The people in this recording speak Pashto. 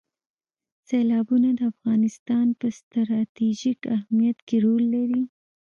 سیلابونه د افغانستان په ستراتیژیک اهمیت کې رول لري.